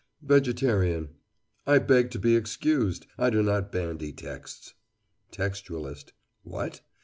VEGETARIAN: I beg to be excused. I do not bandy texts. TEXTUALIST: What?